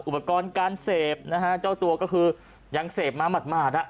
อุปกรณ์การเสพนะฮะเจ้าตัวก็คือยังเสพมาหมาดอ่ะ